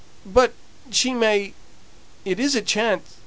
"But she may it is a chance.